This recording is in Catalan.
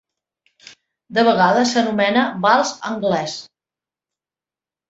De vegades s'anomena "vals anglès".